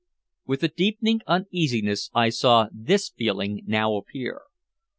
With a deepening uneasiness I saw this feeling now appear.